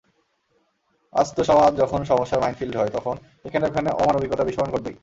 আস্ত সমাজ যখন সমস্যার মাইনফিল্ড হয়, তখন এখানে ওখানে অমানবিকতার বিস্ফোরণ ঘটবেই।